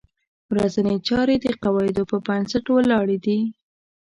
ورځنۍ چارې د قواعدو په بنسټ ولاړې دي.